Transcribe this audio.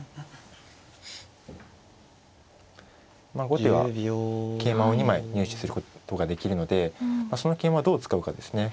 後手は桂馬を２枚入手することができるのでその桂馬をどう使うかですね。